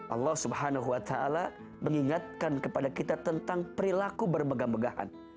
allah swt mengingatkan kepada kita tentang perilaku bermegah megahan